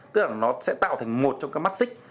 tức là nó sẽ tạo thành một trong các mắt xích